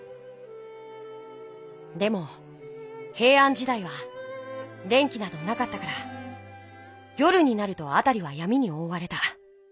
でもへいあん時だいは電気などなかったから夜になるとあたりはやみにおおわれた。